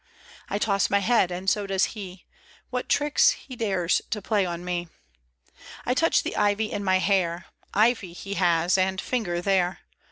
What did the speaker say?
I toss my head, and so does he ; What tricks he dares to play on me 1 I touch the ivy in my hair ; Ivy he has and finger there.